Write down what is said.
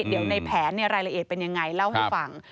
เดี๋ยวในแผนรายละเอียดเป็นยังไงเล่าให้ฟัง